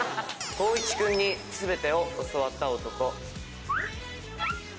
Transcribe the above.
光一君に全てを教わった男。